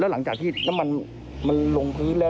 หลังจากที่น้ำมันมันลงพื้นแล้ว